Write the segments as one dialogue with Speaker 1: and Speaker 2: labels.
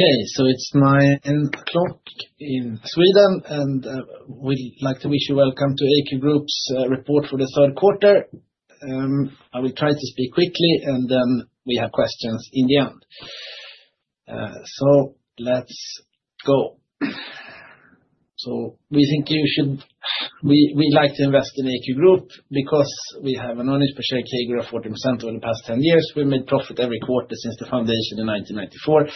Speaker 1: Okay, so it's 9:00 A.M. in Sweden, and we'd like to wish you welcome to AQ Group's Report for the Third Quarter. I will try to speak quickly, and then we have questions in the end. So let's go. So we think you should—we like to invest in AQ Group because we have an earnings per share CAGR of 40% over the past 10 years. We made profit every quarter since the foundation in 1994.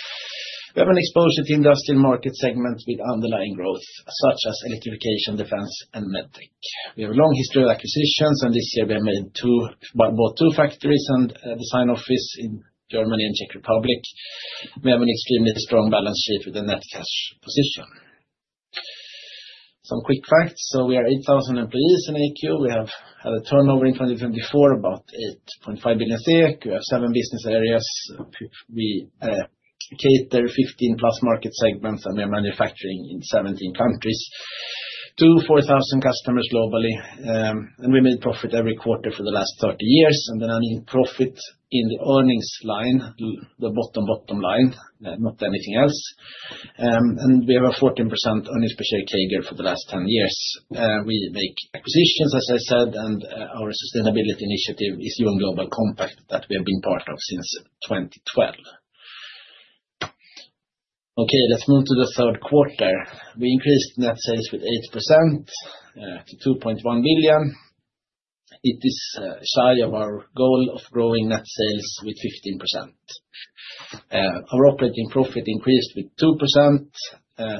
Speaker 1: We have an exposure to the industrial market segment with underlying growth, such as electrification, defense, and medtech. We have a long history of acquisitions, and this year we have made both two factories and a design office in Germany and the Czech Republic. We have an extremely strong balance sheet with a net cash position. Some quick facts: so we are 8,000 employees in AQ. We have had a turnover in 2024 of about 8.5 billion SEK. We have seven business areas. We cater 15 plus market segments, and we are manufacturing in 17 countries, two to 4,000 customers globally, and we made profit every quarter for the last 30 years, and then I mean profit in the earnings line, the bottom bottom line, not anything else, and we have a 14% earnings per share CAGR for the last 10 years. We make acquisitions, as I said, and our sustainability initiative is UN Global Compact that we have been part of since 2012. Okay, let's move to the third quarter. We increased net sales with 8% to 2.1 billion. It is shy of our goal of growing net sales with 15%. Our operating profit increased with 2%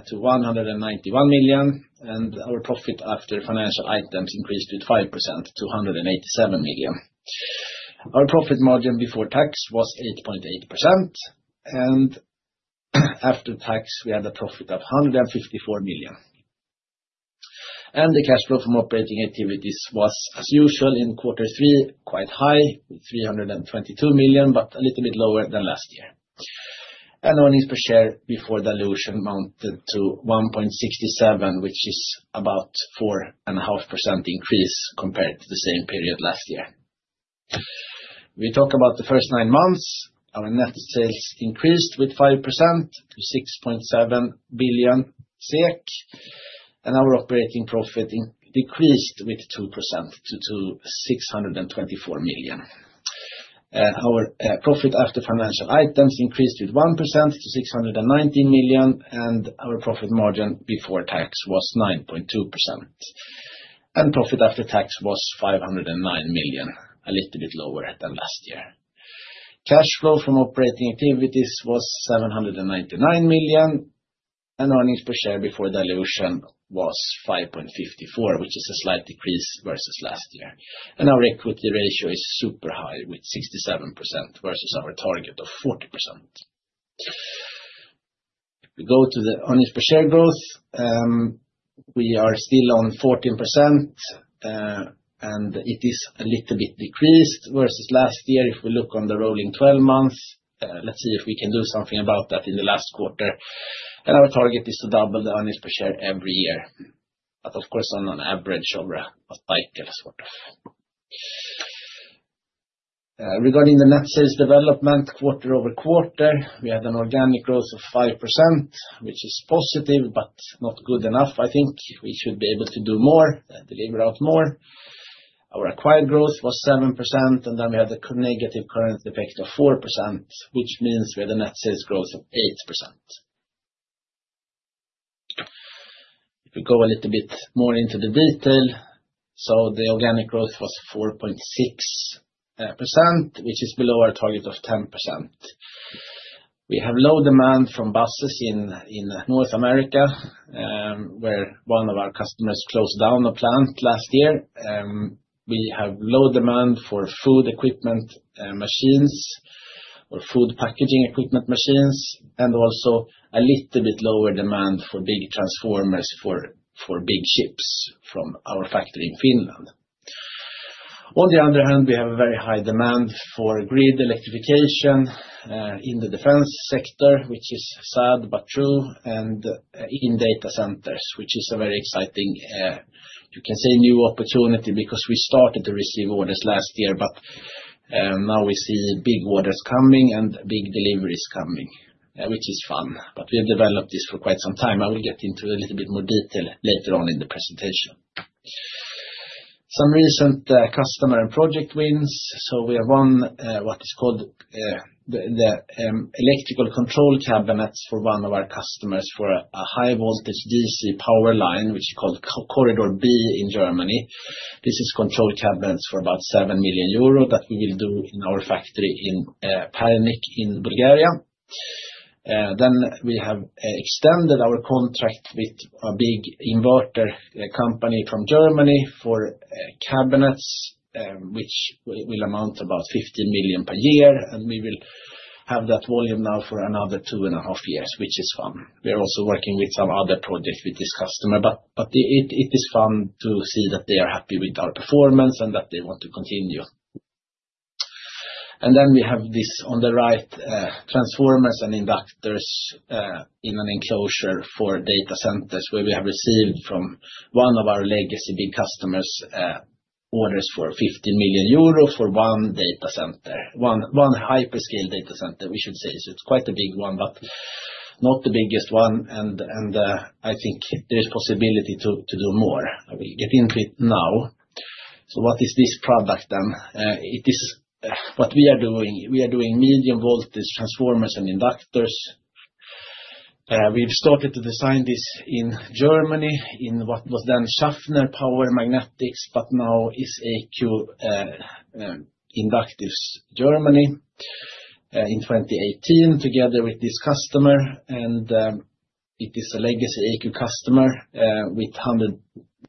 Speaker 1: to 191 million, and our profit after financial items increased with 5% to 187 million. Our profit margin before tax was 8.8%, and after tax we had a profit of 154 million. The cash flow from operating activities was, as usual in quarter three, quite high with 322 million, but a little bit lower than last year. Earnings per share before dilution mounted to 1.67, which is about 4.5% increase compared to the same period last year. We talk about the first nine months. Our net sales increased with 5% to 6.7 billion SEK, and our operating profit decreased with 2% to 624 million. Our profit after financial items increased with 1% to 619 million, and our profit margin before tax was 9.2%. Profit after tax was 509 million, a little bit lower than last year. Cash flow from operating activities was 799 million, and earnings per share before dilution was 5.54, which is a slight decrease versus last year. Our equity ratio is super high with 67% versus our target of 40%. If we go to the earnings per share growth, we are still on 14%, and it is a little bit decreased versus last year if we look on the rolling 12 months. Let's see if we can do something about that in the last quarter. Our target is to double the earnings per share every year, but of course on an average over a cycle sort of. Regarding the net sales development quarter-over-quarter, we had an organic growth of 5%, which is positive but not good enough. I think we should be able to do more and deliver out more. Our acquired growth was 7%, and then we had a negative currency effect of 4%, which means we had a net sales growth of 8%. If we go a little bit more into the detail, so the organic growth was 4.6%, which is below our target of 10%. We have low demand from buses in North America, where one of our customers closed down a plant last year. We have low demand for food equipment machines or food packaging equipment machines, and also a little bit lower demand for big transformers for big ships from our factory in Finland. On the other hand, we have very high demand for grid electrification in the defense sector, which is sad but true, and in data centers, which is a very exciting, you can say, new opportunity because we started to receive orders last year, but now we see big orders coming and big deliveries coming, which is fun. But we have developed this for quite some time. I will get into a little bit more detail later on in the presentation. Some recent customer and project wins. So we have won what is called the electrical control cabinets for one of our customers for a high voltage DC power line, which is called Korridor B in Germany. This is control cabinets for about 7 million euro that we will do in our factory in Pernik in Bulgaria. Then we have extended our contract with a big inverter company from Germany for cabinets, which will amount to about 15 million per year, and we will have that volume now for another two and a half years, which is fun. We are also working with some other projects with this customer, but it is fun to see that they are happy with our performance and that they want to continue. And then we have this on the right, transformers and inductors in an enclosure for data centers where we have received from one of our legacy big customers orders for 15 million euro for one data center, one hyperscale data center, we should say. So it's quite a big one, but not the biggest one. And I think there is possibility to do more. I will get into it now. So what is this product then? It is what we are doing. We are doing medium voltage transformers and inductors. We've started to design this in Germany in what was then Schaffner Power Magnetics, but now is AQ Inductives Germany in 2018 together with this customer. And it is a legacy AQ customer with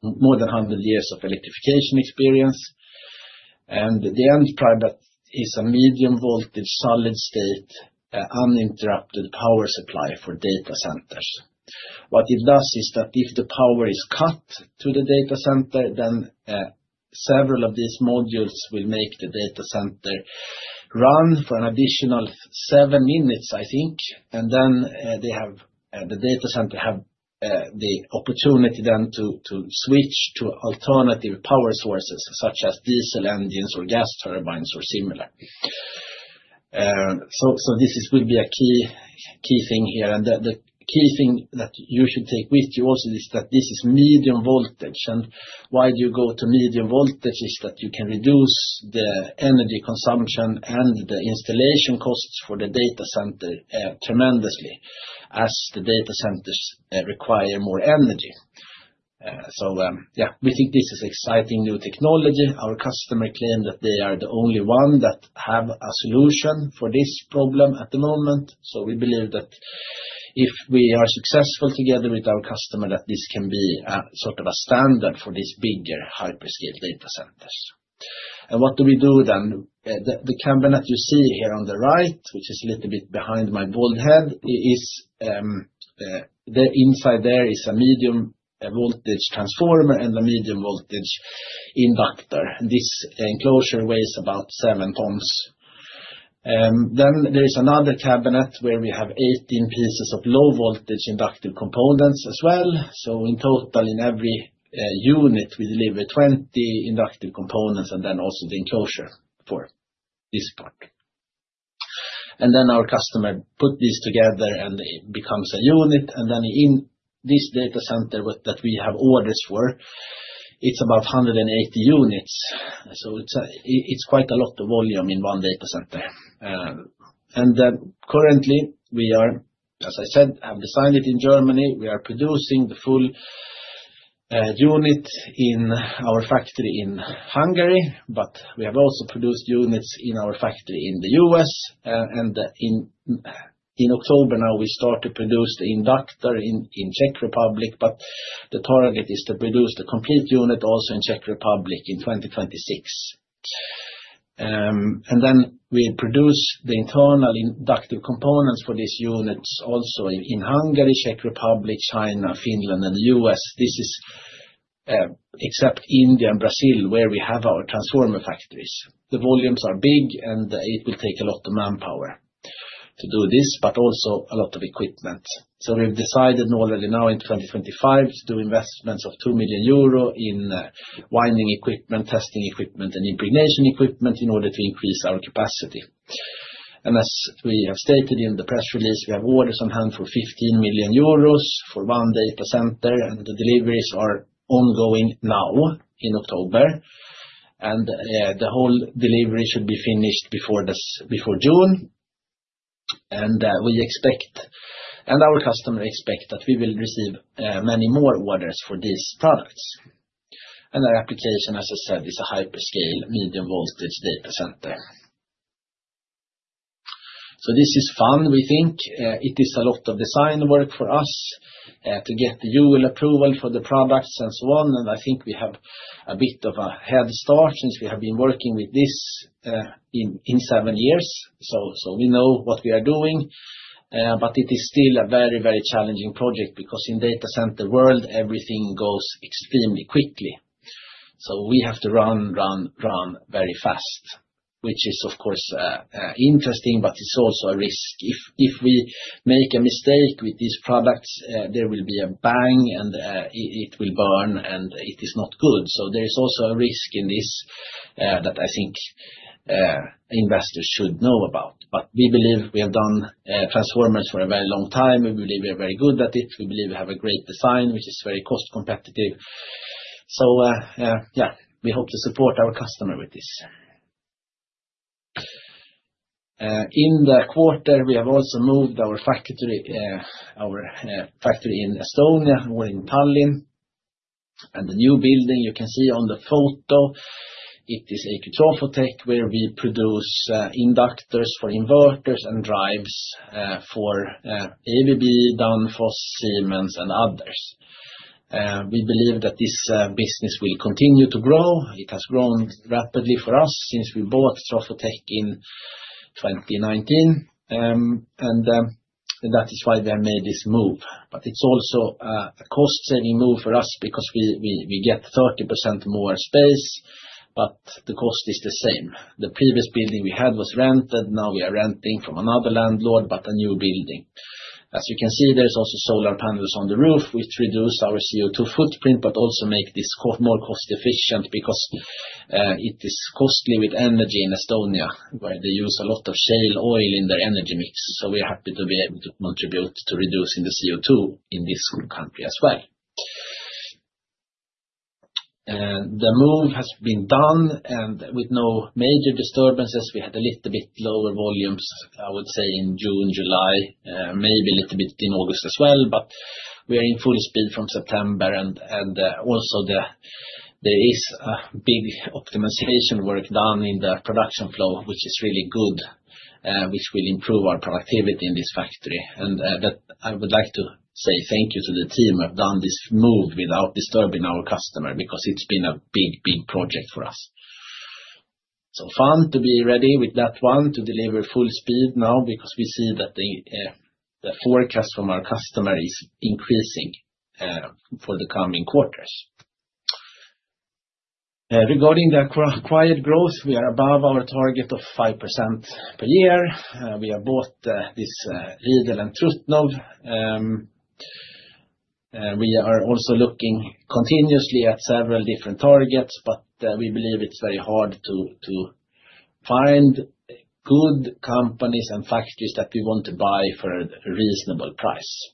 Speaker 1: more than 100 years of electrification experience. And the end product is a medium voltage solid state uninterrupted power supply for data centers. What it does is that if the power is cut to the data center, then several of these modules will make the data center run for an additional seven minutes, I think, and then the data center has the opportunity then to switch to alternative power sources such as diesel engines or gas turbines or similar, so this will be a key thing here, and the key thing that you should take with you also is that this is medium voltage, and why do you go to medium voltage? It's that you can reduce the energy consumption and the installation costs for the data center tremendously as the data centers require more energy, so yeah, we think this is exciting new technology. Our customer claimed that they are the only one that has a solution for this problem at the moment. So we believe that if we are successful together with our customer, that this can be a sort of a standard for these bigger hyperscale data centers. And what do we do then? The cabinet you see here on the right, which is a little bit behind my bald head, is the inside. There is a medium voltage transformer and a medium voltage inductor. This enclosure weighs about seven tons. Then there is another cabinet where we have 18 pieces of low voltage inductive components as well. So in total, in every unit, we deliver 20 inductive components and then also the enclosure for this part. And then our customer puts these together and it becomes a unit. And then in this data center that we have orders for, it is about 180 units. So it is quite a lot of volume in one data center. Currently we are, as I said, have designed it in Germany. We are producing the full unit in our factory in Hungary, but we have also produced units in our factory in the U.S. In October now we start to produce the inductor in Czech Republic, but the target is to produce the complete unit also in Czech Republic in 2026. Then we produce the internal inductive components for these units also in Hungary, Czech Republic, China, Finland, and the U.S. This is except India and Brazil where we have our transformer factories. The volumes are big and it will take a lot of manpower to do this, but also a lot of equipment. We've decided already now in 2025 to do investments of 2 million euro in winding equipment, testing equipment, and impregnation equipment in order to increase our capacity. And as we have stated in the press release, we have orders on hand for 15 million euros for one data center, and the deliveries are ongoing now in October. And the whole delivery should be finished before June. And we expect, and our customer expects that we will receive many more orders for these products. And our application, as I said, is a hyperscale medium voltage data center. So this is fun, we think. It is a lot of design work for us to get the UL approval for the products and so on. And I think we have a bit of a head start since we have been working with this in seven years. So we know what we are doing, but it is still a very, very challenging project because in the data center world, everything goes extremely quickly. So we have to run, run, run very fast, which is of course interesting, but it's also a risk. If we make a mistake with these products, there will be a bang and it will burn and it is not good, so there is also a risk in this that I think investors should know about, but we believe we have done transformers for a very long time. We believe we are very good at it. We believe we have a great design, which is very cost competitive, so yeah, we hope to support our customer with this. In the quarter, we have also moved our factory in Estonia or in Tallinn, and the new building you can see on the photo, it is AQ Trafotek where we produce inductors for inverters and drives for ABB, Danfoss, Siemens, and others. We believe that this business will continue to grow. It has grown rapidly for us since we bought Trafotek in 2019. And that is why we have made this move. But it's also a cost-saving move for us because we get 30% more space, but the cost is the same. The previous building we had was rented. Now we are renting from another landlord, but a new building. As you can see, there's also solar panels on the roof, which reduce our CO2 footprint, but also make this more cost-efficient because it is costly with energy in Estonia where they use a lot of shale oil in their energy mix. So we are happy to be able to contribute to reducing the CO2 in this country as well. The move has been done, and with no major disturbances. We had a little bit lower volumes, I would say, in June, July, maybe a little bit in August as well, but we are in full speed from September. And also there is a big optimization work done in the production flow, which is really good, which will improve our productivity in this factory. And I would like to say thank you to the team who have done this move without disturbing our customer because it's been a big, big project for us. So fun to be ready with that one to deliver full speed now because we see that the forecast from our customer is increasing for the coming quarters. Regarding the acquired growth, we are above our target of 5% per year. We have bought this Riedel in Trutnov. We are also looking continuously at several different targets, but we believe it's very hard to find good companies and factories that we want to buy for a reasonable price.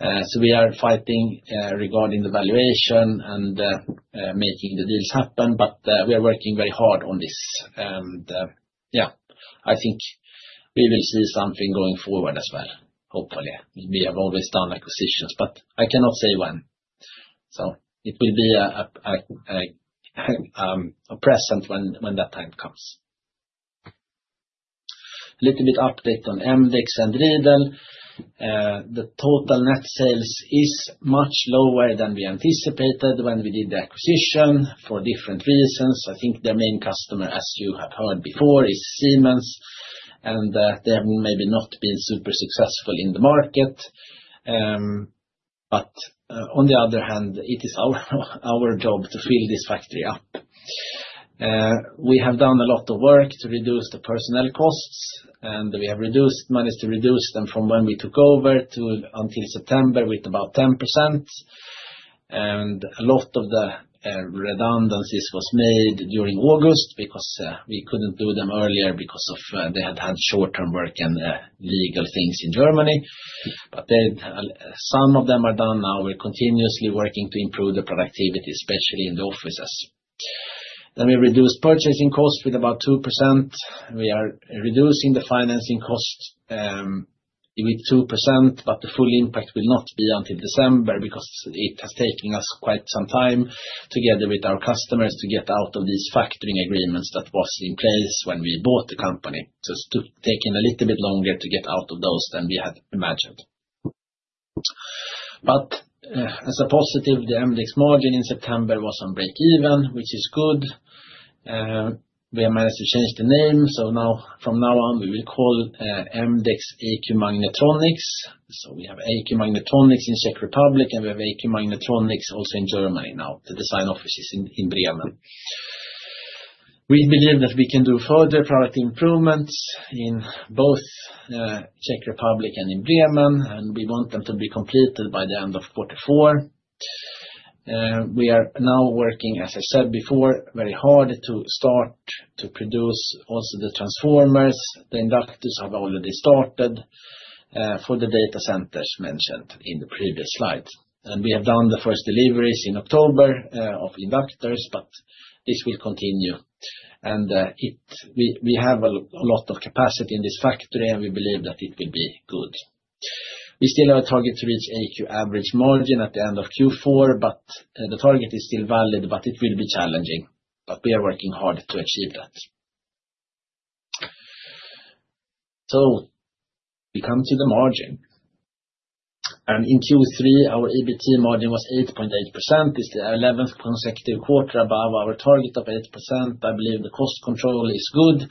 Speaker 1: So we are fighting regarding the valuation and making the deals happen, but we are working very hard on this. And yeah, I think we will see something going forward as well, hopefully. We have always done acquisitions, but I cannot say when. So it will be present when that time comes. A little bit of update on mdexx and Riedel. The total net sales is much lower than we anticipated when we did the acquisition for different reasons. I think their main customer, as you have heard before, is Siemens, and they have maybe not been super successful in the market. But on the other hand, it is our job to fill this factory up. We have done a lot of work to reduce the personnel costs, and we have managed to reduce them from when we took over until September with about 10%. And a lot of the redundancies were made during August because we couldn't do them earlier because they had short-term work and legal things in Germany. But some of them are done now. We're continuously working to improve the productivity, especially in the offices. Then we reduced purchasing costs with about 2%. We are reducing the financing cost with 2%, but the full impact will not be until December because it has taken us quite some time together with our customers to get out of these factoring agreements that were in place when we bought the company. So it's taken a little bit longer to get out of those than we had imagined. But as a positive, the mdexx margin in September was on breakeven, which is good. We have managed to change the name. So from now on, we will call mdexx AQ Magnetronics. So we have AQ Magnetronics in Czech Republic, and we have AQ Magnetronics also in Germany now. The design office is in Bremen. We believe that we can do further product improvements in both Czech Republic and in Bremen, and we want them to be completed by the end of quarter four. We are now working, as I said before, very hard to start to produce also the transformers. The inductors have already started for the data centers mentioned in the previous slide. And we have done the first deliveries in October of inductors, but this will continue. And we have a lot of capacity in this factory, and we believe that it will be good. We still have a target to reach AQ average margin at the end of Q4, but the target is still valid, but it will be challenging, but we are working hard to achieve that, so we come to the margin, and in Q3, our EBT margin was 8.8%. This is the 11th consecutive quarter above our target of 8%. I believe the cost control is good.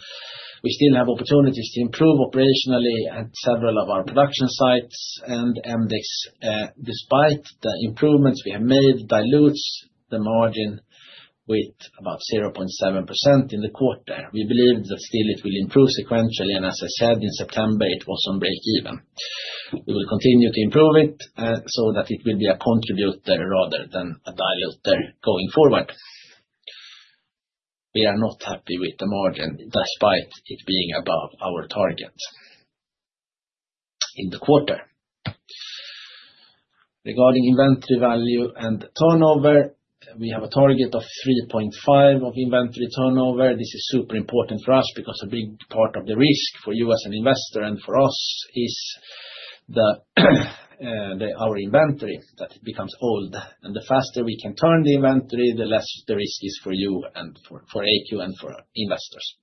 Speaker 1: We still have opportunities to improve operationally at several of our production sites, and mdexx despite the improvements we have made, dilutes the margin with about 0.7% in the quarter. We believe that still it will improve sequentially, and as I said, in September, it was on breakeven. We will continue to improve it so that it will be a contributor rather than a diluter going forward. We are not happy with the margin despite it being above our target in the quarter. Regarding inventory value and turnover, we have a target of 3.5% of inventory turnover. This is super important for us because a big part of the risk for you as an investor and for us is our inventory that becomes old, and the faster we can turn the inventory, the less the risk is for you and for AQ and for investors,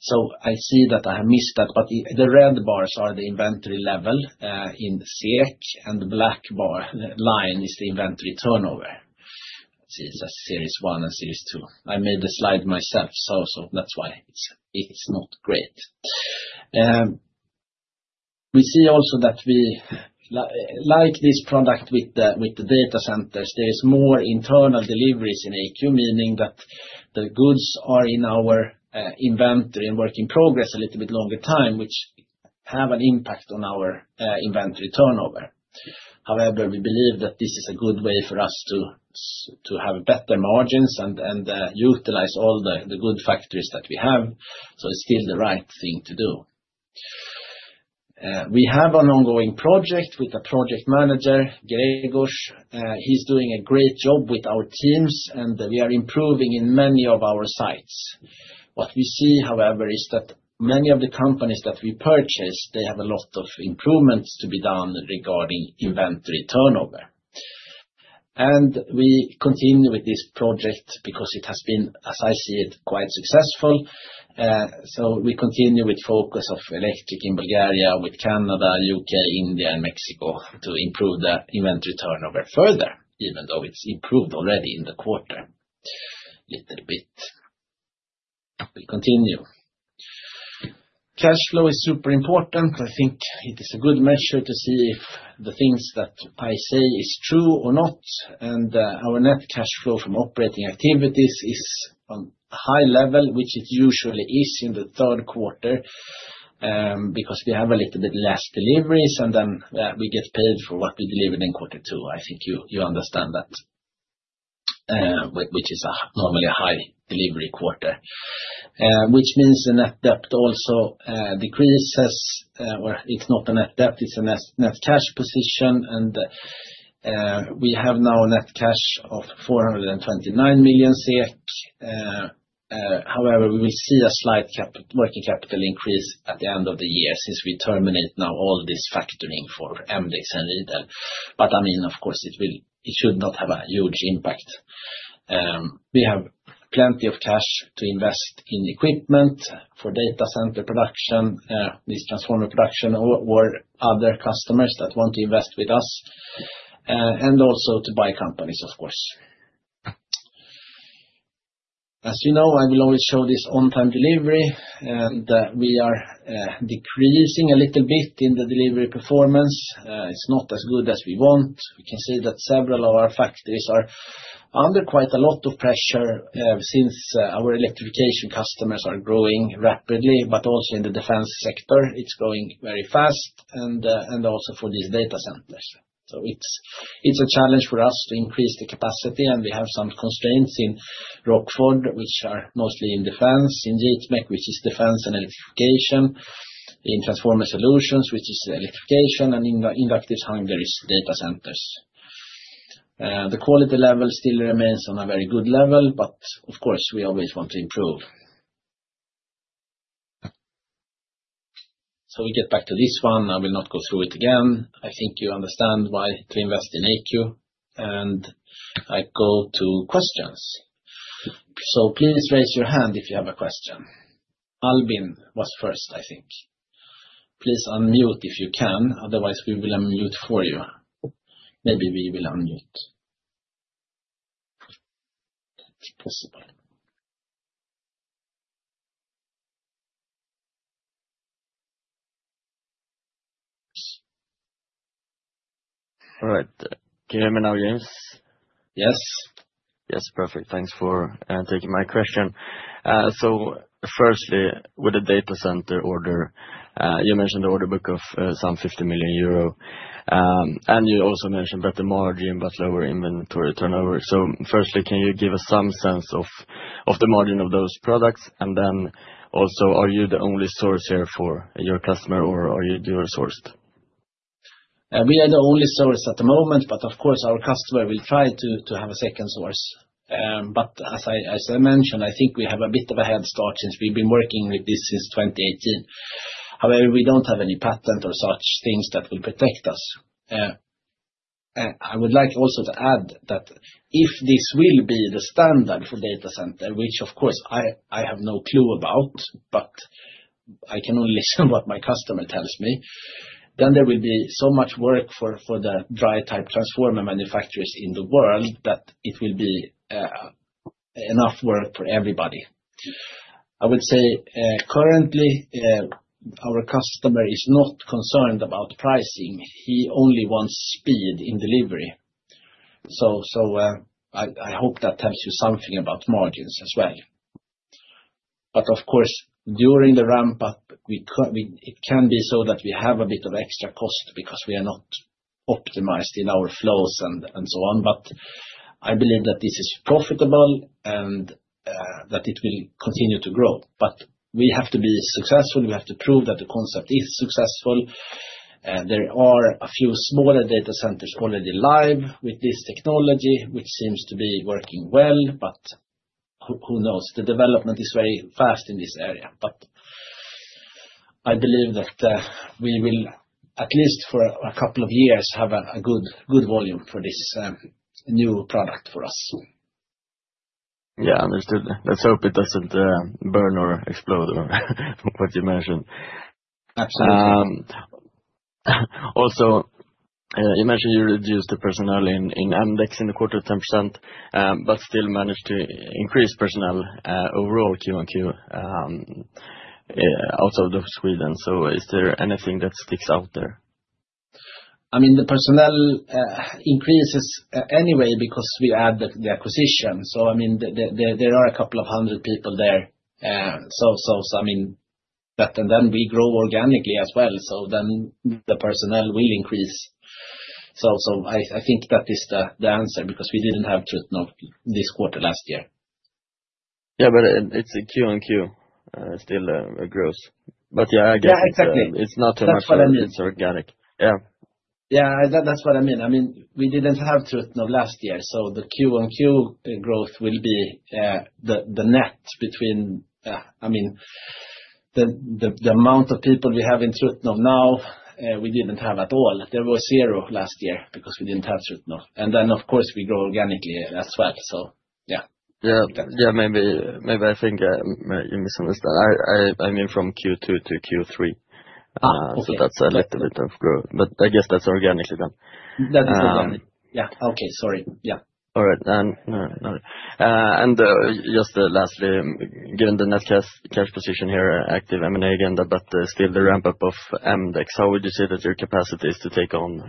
Speaker 1: so I see that I have missed that, but the red bars are the inventory level in SEK, and the black line is the inventory turnover. It's Series 1 and Series 2. I made the slide myself, so that's why it's not great. We see also that we like this product with the data centers. There are more internal deliveries in AQ, meaning that the goods are in our inventory and work in progress a little bit longer time, which have an impact on our inventory turnover. However, we believe that this is a good way for us to have better margins and utilize all the good factories that we have. So it's still the right thing to do. We have an ongoing project with the project manager, Grzegorz. He's doing a great job with our teams, and we are improving in many of our sites. What we see, however, is that many of the companies that we purchase, they have a lot of improvements to be done regarding inventory turnover. And we continue with this project because it has been, as I see it, quite successful. So we continue with the focus of electric in Bulgaria with Canada, U.K., India, and Mexico to improve the inventory turnover further, even though it's improved already in the quarter a little bit. We continue. Cash flow is super important. I think it is a good measure to see if the things that I say are true or not, and our net cash flow from operating activities is on a high level, which it usually is in the third quarter because we have a little bit less deliveries, and then we get paid for what we delivered in quarter two. I think you understand that, which is normally a high delivery quarter, which means the net debt also decreases, or it's not a net debt, it's a net cash position, and we have now net cash of 429 million SEK. However, we will see a slight working capital increase at the end of the year since we terminate now all this factoring for mdexx and Riedel, but I mean, of course, it should not have a huge impact. We have plenty of cash to invest in equipment for data center production, this transformer production, or other customers that want to invest with us, and also to buy companies, of course. As you know, I will always show this on-time delivery, and we are decreasing a little bit in the delivery performance. It's not as good as we want. We can see that several of our factories are under quite a lot of pressure since our electrification customers are growing rapidly, but also in the defense sector, it's growing very fast, and also for these data centers. So it's a challenge for us to increase the capacity, and we have some constraints in Rockford, which are mostly in defense, in JIT Mech which is defense and electrification, in Transformer Solutions, which is electrification, and in Inductive Hungary's data centers. The quality level still remains on a very good level, but of course, we always want to improve. So we get back to this one. I will not go through it again. I think you understand why to invest in AQ. And I go to questions. So please raise your hand if you have a question. Albin was first, I think. Please unmute if you can. Otherwise, we will unmute for you. Maybe we will unmute. It's possible. All right. Can you hear me now, James? Yes. Yes. Perfect. Thanks for taking my question. So firstly, with the data center order, you mentioned the order book of some 50 million euro, and you also mentioned better margin but lower inventory turnover. So firstly, can you give us some sense of the margin of those products? And then also, are you the only source here for your customer, or are you sourced? We are the only source at the moment, but of course, our customer will try to have a second source. But as I mentioned, I think we have a bit of a head start since we've been working with this since 2018. However, we don't have any patent or such things that will protect us. I would like also to add that if this will be the standard for data center, which of course I have no clue about, but I can only listen to what my customer tells me, then there will be so much work for the dry-type transformer manufacturers in the world that it will be enough work for everybody. I would say currently our customer is not concerned about pricing. He only wants speed in delivery. So I hope that tells you something about margins as well. But of course, during the ramp-up, it can be so that we have a bit of extra cost because we are not optimized in our flows and so on. But I believe that this is profitable and that it will continue to grow. But we have to be successful. We have to prove that the concept is successful. There are a few smaller data centers already live with this technology, which seems to be working well, but who knows? The development is very fast in this area. But I believe that we will, at least for a couple of years, have a good volume for this new product for us. Yeah, understood. Let's hope it doesn't burn or explode from what you mentioned. Absolutely. Also, you mentioned you reduced the personnel in mdexx in the quarter 10%, but still managed to increase personnel overall QoQ outside of Sweden. So is there anything that sticks out there? I mean, the personnel increases anyway because we add the acquisition. So I mean, there are a couple of hundred people there. So I mean, that and then we grow organically as well. So then the personnel will increase. So I think that is the answer because we didn't have Trutnov this quarter last year. Yeah, but it's a QoQ, still a growth. But yeah, I guess it's not too much for me. It's organic. Yeah. Yeah, that's what I mean. I mean, we didn't have Trutnov last year. So the QoQ growth will be the net between, I mean, the amount of people we have in Trutnov now, we didn't have at all. There was zero last year because we didn't have Trutnov. And then, of course, we grow organically as well. So yeah. Yeah. Yeah. Maybe I think you misunderstood. I mean from Q2 to Q3. So that's a little bit of growth. But I guess that's organically done. That is organic. Yeah. Okay. Sorry. Yeah. All right. And just lastly, given the net cash position here, active M&A agenda, but still the ramp-up of mdexx, how would you say that your capacity is to take on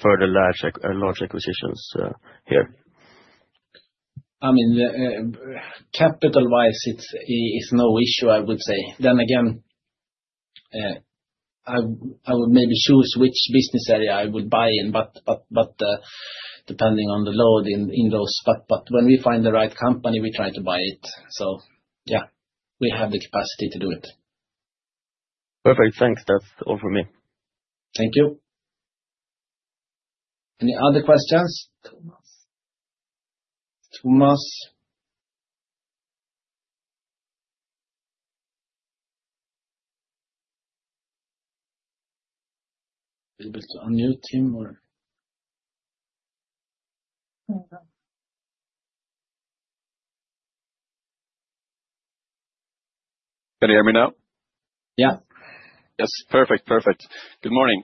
Speaker 1: further large acquisitions here? I mean, capital-wise, it's no issue, I would say. Then again, I would maybe choose which business area I would buy in, but depending on the load in those. But when we find the right company, we try to buy it. So yeah, we have the capacity to do it. Perfect. Thanks. That's all from me. Thank you. Any other questions? Tomas. A little bit to unmute him, or? Can you hear me now? Yeah. Yes. Perfect. Perfect. Good morning.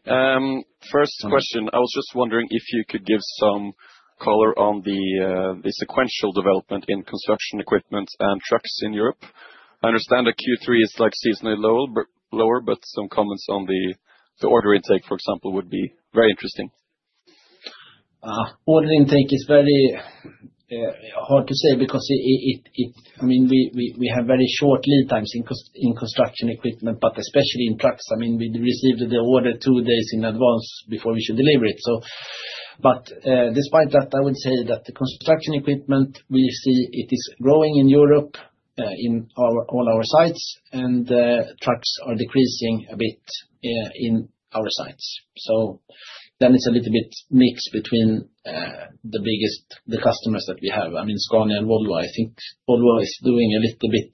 Speaker 1: First question, I was just wondering if you could give some color on the sequential development in construction equipment and trucks in Europe. I understand that Q3 is like seasonally lower, but some comments on the order intake, for example, would be very interesting. Order intake is very hard to say because, I mean, we have very short lead times in construction equipment, but especially in trucks. I mean, we received the order two days in advance before we should deliver it. But despite that, I would say that the construction equipment we see, it is growing in Europe in all our sites, and trucks are decreasing a bit in our sites. So then it's a little bit mixed between the biggest customers that we have. I mean, Scania and Volvo, I think Volvo is doing a little bit,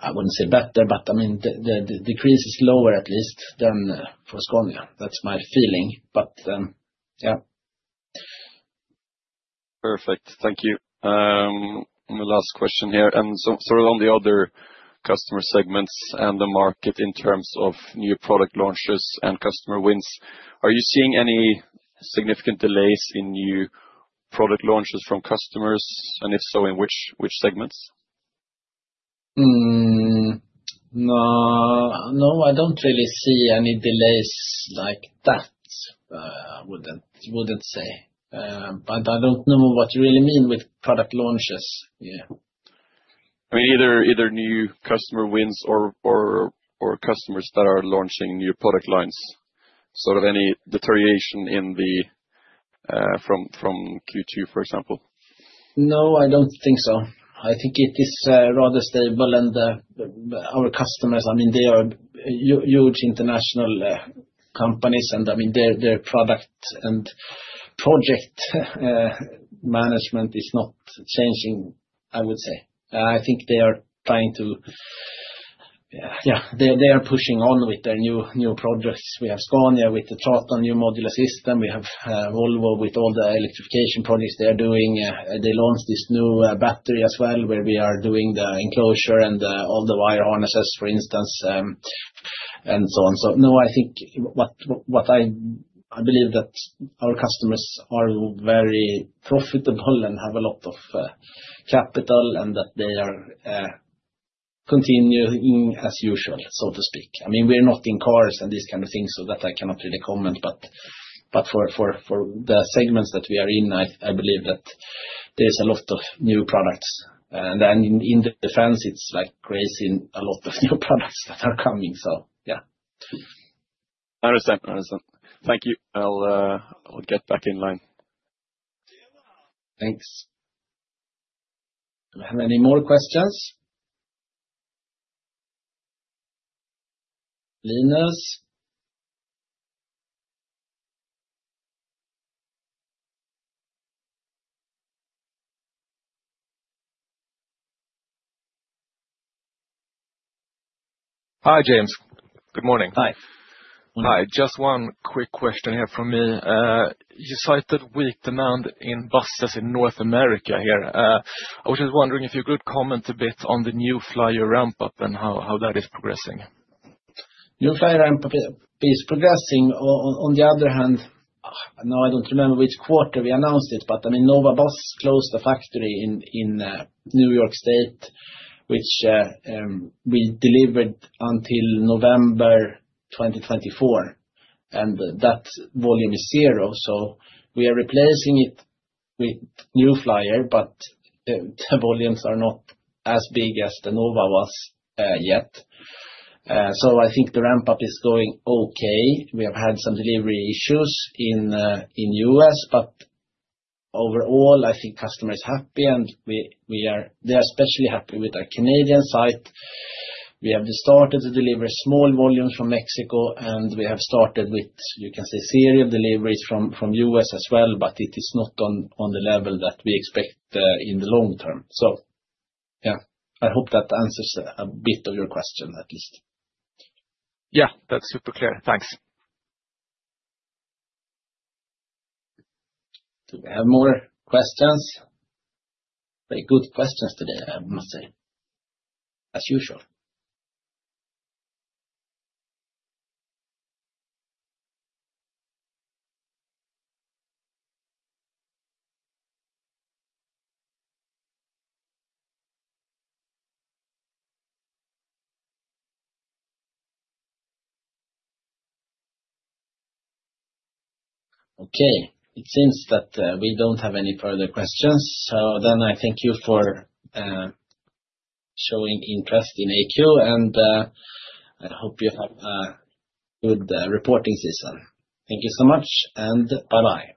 Speaker 1: I wouldn't say better, but I mean, the decrease is lower at least than for Scania. That's my feeling, but yeah. Perfect. Thank you. My last question here and sort of on the other customer segments and the market in terms of new product launches and customer wins, are you seeing any significant delays in new product launches from customers, and if so, in which segments? No, I don't really see any delays like that. I wouldn't say, but I don't know what you really mean with product launches. Yeah. I mean, either new customer wins or customers that are launching new product lines, sort of any deterioration from Q2, for example? No, I don't think so. I think it is rather stable. And our customers, I mean, they are huge international companies, and I mean, their product and project management is not changing, I would say. I think they are trying to, yeah, they are pushing on with their new projects. We have Scania with the Traton new modular system. We have Volvo with all the electrification projects they are doing. They launched this new battery as well where we are doing the enclosure and all the wire harnesses, for instance, and so on. So no, I think what I believe that our customers are very profitable and have a lot of capital and that they are continuing as usual, so to speak. I mean, we're not in cars and these kind of things, so that I cannot really comment. But for the segments that we are in, I believe that there's a lot of new products. And in defense, it's like crazy, a lot of new products that are coming. So yeah. Understand. Thank you. I'll get back in line. Thanks. Do we have any more questions? Linus? Hi, James. Good morning. Hi. Hi. Just one quick question here from me. You cited weak demand in buses in North America here. I was just wondering if you could comment a bit on the New Flyer ramp-up and how that is progressing. New Flyer ramp-up is progressing. On the other hand, no, I don't remember which quarter we announced it, but I mean, Nova Bus closed the factory in New York State, which we delivered until November 2024. And that volume is zero. So we are replacing it with New Flyer, but the volumes are not as big as the Nova Bus yet. So I think the ramp-up is going okay. We have had some delivery issues in the U.S., but overall, I think customer is happy, and they are especially happy with our Canadian site. We have started to deliver small volumes from Mexico, and we have started with, you can say, serial deliveries from the U.S. as well, but it is not on the level that we expect in the long term. So yeah, I hope that answers a bit of your question at least. Yeah. That's super clear. Thanks. Do we have more questions? Very good questions today, I must say. As usual. Okay. It seems that we don't have any further questions. So then I thank you for showing interest in AQ, and I hope you have a good reporting season. Thank you so much, and bye-bye. Bye.